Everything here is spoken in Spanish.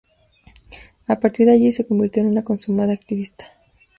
A partir de allí se convirtió en una consumada activista.